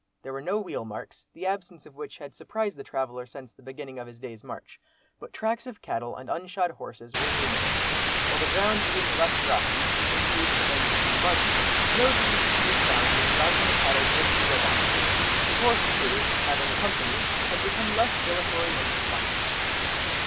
There were no wheel marks, the absence of which had surprised the traveller, since the beginning of his day's march, but tracks of cattle and unshod horses were numerous; while the ground being less rocky, indeed commencing to be marshy, no difficulty was found in driving the cattle briskly along it. His horse too, having "company," had become less dilatory and despondent.